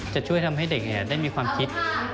จะช่วยทำให้เด็กได้มีความคิด